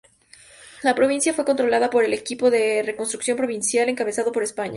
La provincia fue controlada por el Equipo de Reconstrucción Provincial, encabezado por España.